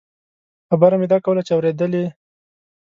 خبره مې دا کوله چې اورېدلې.